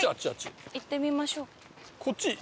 行ってみましょう。